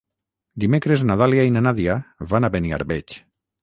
Dimecres na Dàlia i na Nàdia van a Beniarbeig.